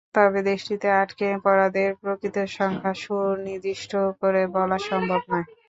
তবে দেশটিতে আটকে পড়াদের প্রকৃত সংখ্যা সুনির্দিষ্ট করে বলা সম্ভব নয়।